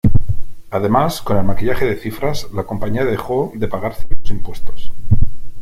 Además con el maquillaje de cifras la compañía dejó de pagar ciertos impuestos.